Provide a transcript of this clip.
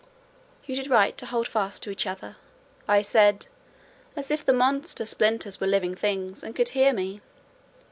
"You did right to hold fast to each other," I said: as if the monster splinters were living things, and could hear me.